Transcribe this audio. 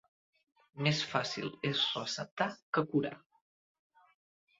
Més fàcil és receptar que curar.